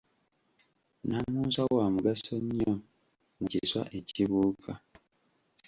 Namunswa wa mugaso nnyo mu kiswa ekibuuka.